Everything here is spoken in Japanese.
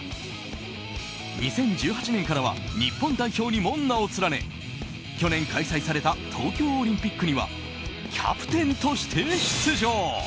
２０１８年からは日本代表にも名を連ね去年開催された東京オリンピックにはキャプテンとして出場。